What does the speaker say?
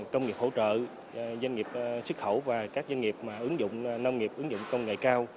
công nghiệp hỗ trợ doanh nghiệp xuất khẩu và các doanh nghiệp nông nghiệp ứng dụng công nghệ cao